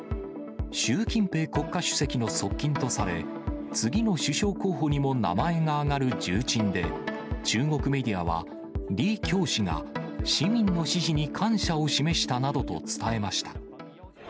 習近平国家主席の側近とされ、次の首相候補にも名前が挙がる重鎮で、中国メディアは、李強氏が市民の支持に感謝を示したなどと伝えました。